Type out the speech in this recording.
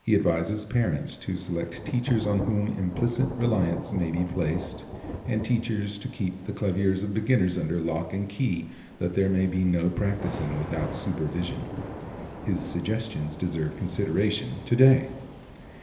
He advises parents to select teachers on whom implicit reliance may be placed, and teachers to keep the claviers of beginners under lock and key that there may be no practicing without supervision. His suggestions deserve consideration to day.